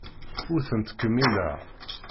Ur tent-ttkemmileɣ.